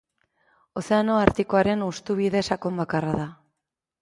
Ozeano Artikoaren hustubide sakon bakarra da.